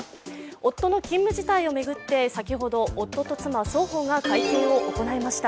夫の勤務自体を巡って先ほど夫と妻双方が会見を行いました。